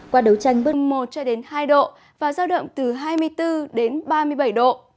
qua đấu tranh bừn một cho đến hai độ và giao động từ hai mươi bốn đến ba mươi bảy độ